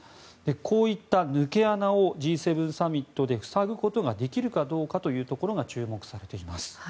こういった抜け穴をＧ７サミットで塞ぐことができるかどうかというところが注目されています。